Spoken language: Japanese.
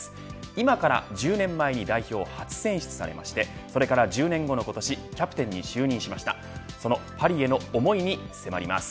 今から１０年前に代表初選出されましてそれから１０年後の今年キャプテンに就任しました。